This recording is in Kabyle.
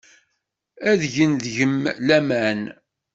Ad gent deg-m laman.